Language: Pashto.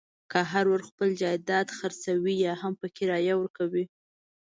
که هر ورور خپل جایداد خرڅوي یاهم په کرایه ورکوي.